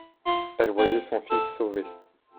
Elle voyait son fils sauvé.